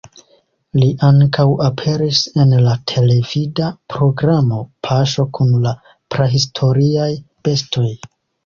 Li ankaŭ aperis en la televida programo "Paŝo kun la prahistoriaj bestoj".